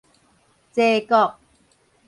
齊國